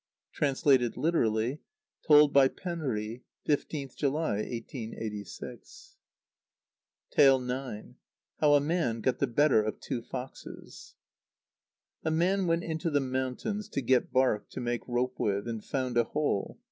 (Translated literally. Told by Penri, 15th July, 1886.) ix. How a Man got the better of two Foxes. A man went into the mountains to get bark to make rope with, and found a hole.